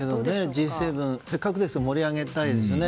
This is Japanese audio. Ｇ７、せっかくですから盛り上げたいですよね。